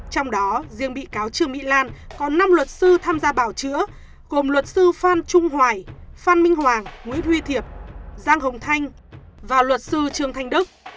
trong đó riêng bị cáo trương mỹ lan có năm luật sư tham gia bảo chữa gồm luật sư phan trung hoài phan minh hoàng nguyễn huy thiệp giang hồng thanh và luật sư trương thanh đức